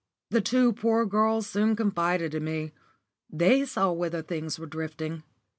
The two poor girls soon confided in me. They saw whither things were drifting.